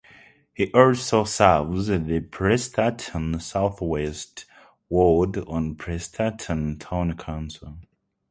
He also serves the Prestatyn South West ward on Prestatyn Town Council.